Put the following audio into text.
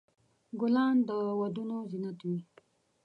ګلان د ودونو زینت وي.